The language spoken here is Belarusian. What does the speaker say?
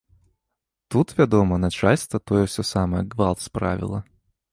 Тут, вядома, начальства, тое ўсё самае, гвалт справіла.